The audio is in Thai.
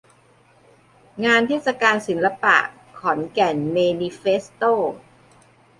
งานเทศกาลศิลปะ ขอนแก่นเมนิเฟสโต้